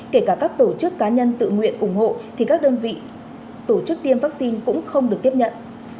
kể cả các tổ chức cá nhân tự nguyện ủng hộ thì các đơn vị tổ chức tiêm vaccine cũng không được tiếp nhận